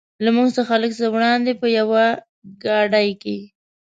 له موږ څخه لږ څه وړاندې په یوې ګاډۍ کې.